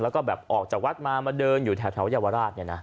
แล้วก็แบบออกจากวัดมามาเดินอยู่แถวเยาวราชเนี่ยนะ